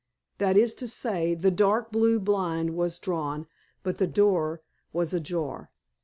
That is to say, the dark blue blind was drawn, but the door was ajar.